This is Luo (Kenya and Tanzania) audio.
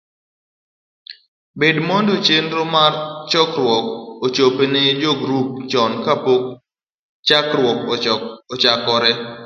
ber mondo chenro mar chokruok ochop ne jogrup chon kapok chokruok ochakore.